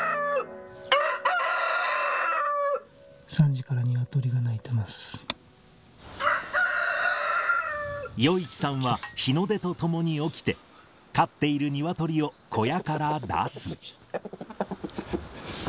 ３時からニワトリが鳴いてま余一さんは、日の出とともに起きて、飼っているニワトリを小屋から出す。